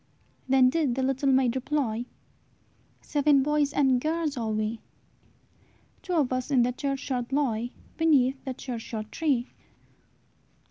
Then did the little maid reply, "Seven boys and girls are we; Two of us in the churchyard lie, Beneath the churchyard tree."